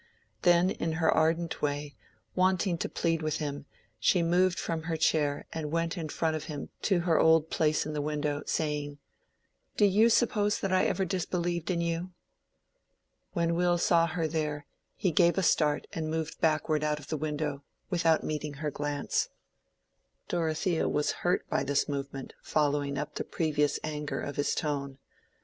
Then in her ardent way, wanting to plead with him, she moved from her chair and went in front of him to her old place in the window, saying, "Do you suppose that I ever disbelieved in you?" When Will saw her there, he gave a start and moved backward out of the window, without meeting her glance. Dorothea was hurt by this movement following up the previous anger of his tone.